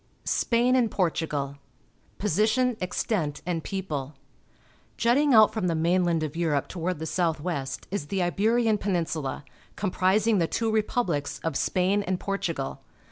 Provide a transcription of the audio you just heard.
SPAIN AND PORTUGAL (f > »v_^ Position, Extent, and People. — .hitting out from the mainland of Europe toward the south west is the Iberian Peninsula, com prising the two republics of Spain and Portugal.